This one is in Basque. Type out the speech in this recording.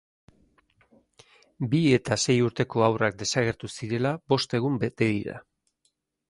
Bi eta sei urteko haurrak desagertu zirela bost egun bete dira.